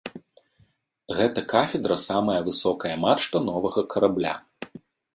Гэта кафедра самая высокая мачта новага карабля.